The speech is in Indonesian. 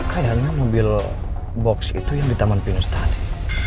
kayaknya mobil box itu yang di taman pinus tadi